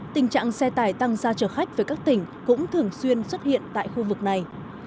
tình trạng xe tải tăng ra chở khách về các tỉnh cũng thường xuyên xuất hiện tại khu vực này